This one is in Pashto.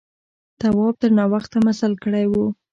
تواب تر ناوخته مزل کړی و.